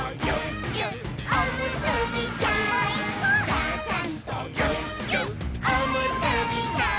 「ちゃちゃんとぎゅっぎゅっおむすびちゃん」